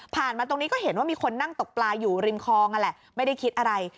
มาตรงนี้ก็เห็นว่ามีคนนั่งตกปลาอยู่ริมคลองนั่นแหละไม่ได้คิดอะไร